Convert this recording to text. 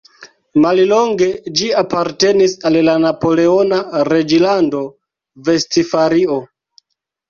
Mallonge ĝi apartenis al la napoleona reĝlando Vestfalio.